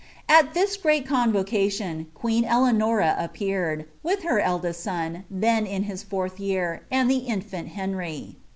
At this uirsnd convocation queen Eleanors appeoRM), with her elili^I son, then in his fourth year, and the infant Henry.